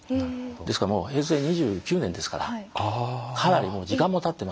ですからもう平成２９年ですからかなりもう時間もたってますんで。